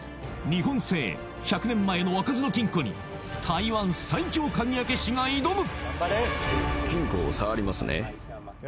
日本製１００年前の開かずの金庫に台湾最強鍵開け師が挑む！